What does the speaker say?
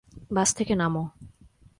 বাস থেকে নামো!